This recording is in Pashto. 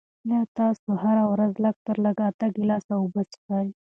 آیا تاسو هره ورځ لږ تر لږه اته ګیلاسه اوبه څښئ؟